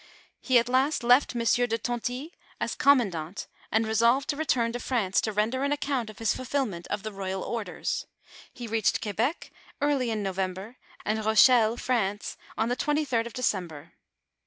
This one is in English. He at last left Monsieur de Tonty, as commandant and resolved to return to France to render an account of his fulfilment of the royal orders. He reached Quebec early in November, and Eochelle, France, on the twenty third of December.